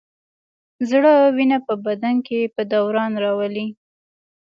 زړه وینه په بدن کې په دوران راولي.